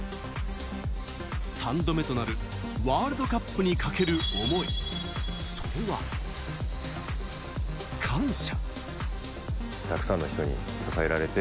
３度目となるワールドカップにかける思い、それは、感謝。